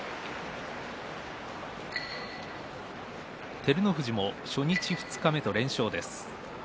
照ノ富士も初日二日目と連勝です。